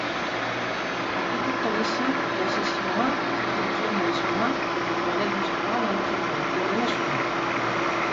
Arkitekto gisa klasizismoa, funtzionalismoa eta modernismoa landu zituen, hurrenez hurren.